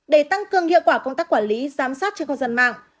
để tăng cường hiệu quả công tác quản lý giám sát trên không gian mạng